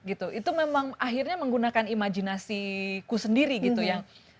itu memang akhirnya menggunakan imajinasiku sendiri gitu ya